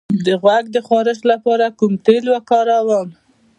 د غوږ د خارش لپاره کوم تېل وکاروم؟